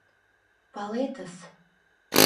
Палетыс.